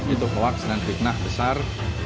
itu hoaks dan fitnah besar